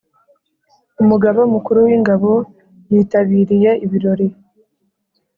Umugaba Mukuru w’Ingabo yitabiriye ibirori